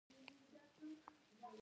د چارو اداره د حکومت مکتوبونه تنظیموي